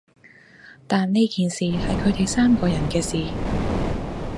但呢件事係佢哋三個人嘅事